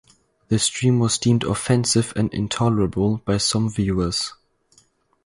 The stream was deemed "offensive" and "intolerable" by some viewers.